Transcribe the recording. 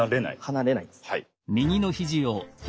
離れないです。